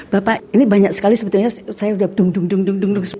bapak ini banyak sekali sebetulnya saya udah dung dung dung dung